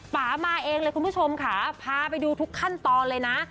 ป่ามาเองเลยคุณผู้ชมค่ะพาไปดูทุกขั้นตอนเลยนะ